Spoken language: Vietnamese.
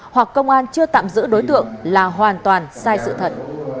hoặc công an chưa tạm giữ đối tượng là hoàn toàn sai sự thật